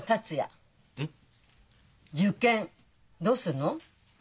受験どうするの？